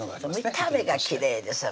見た目がきれいですよ